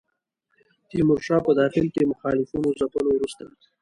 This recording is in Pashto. تیمورشاه په داخل کې مخالفینو ځپلو وروسته.